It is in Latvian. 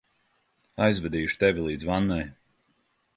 Aizvedīšu tevi līdz vannai.